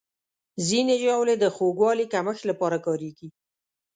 ځینې ژاولې د خوږوالي کمښت لپاره کارېږي.